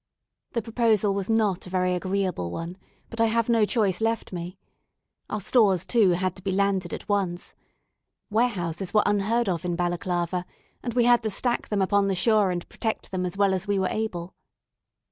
The proposal was not a very agreeable one, but I have no choice left me. Our stores, too, had to be landed at once. Warehouses were unheard of in Balaclava, and we had to stack them upon the shore and protect them as well as we were able.